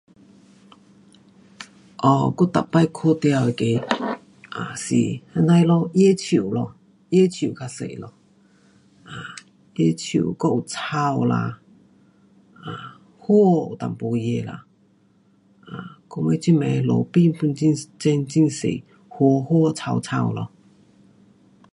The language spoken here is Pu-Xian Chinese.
um 我每次看到那个，um 是那呐的咯椰树咯。椰树较多咯，um 椰树还有草啦。um 花有一点儿啦。um 还有这边路边还有种很多花花草草咯。